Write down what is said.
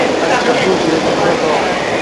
Аslida bu – yuragimda dogʼ